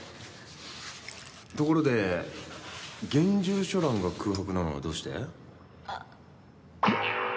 ところで現住所欄が空白なのはどうして？